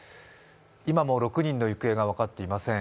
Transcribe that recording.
今も６人の行方が分かっていません